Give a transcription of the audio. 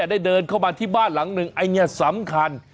ได้เดินเข้ามาที่บ้านหลังหนึ่งอันนี้สำคัญ